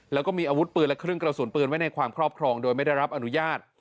แล้วก็มีอาวุธปืนและเครื่องกระสุนปืนไว้ในความครอบครองโดยไม่ได้รับอนุญาต